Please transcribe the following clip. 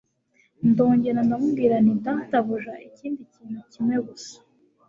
Ndongera ndamubwira nti Databuja ikindi kintu kimwe gusa